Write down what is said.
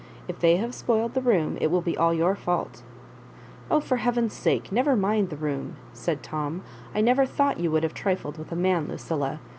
If they have spoiled the room, it will be all your fault." " Oh, for heaven's sake, never mind the room !". said Tom. ''I never thought you would have trifled with a man, Lucilla.